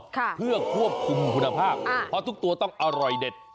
เพื่อควบคุมคุณภาพเพราะทุกตัวต้องอร่อยเด็ด